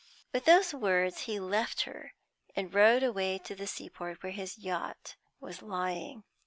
With those words he left her, and rode away to the sea port where his yacht was lying.